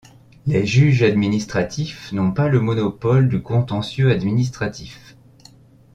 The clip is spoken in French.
Les juges administratifs n’ont pas le monopole du contentieux administratif.